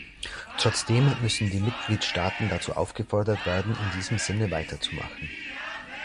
Trotzdem müssen die Mitgliedstaaten dazu aufgefordert werden, in diesem Sinne weiterzumachen.